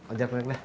ojak dulu deh